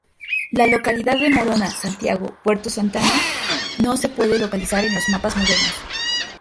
La localidad de Morona-Santiago, "Puerto Santana", no se puede localizar en los mapas modernos.